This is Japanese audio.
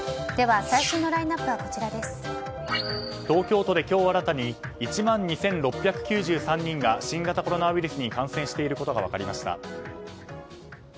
東京都で今日新たに１万２６９３人が新型コロナウイルスに感染していることが分かりました。